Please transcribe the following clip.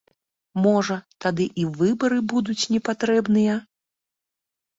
Можа, тады і выбары будуць не патрэбныя?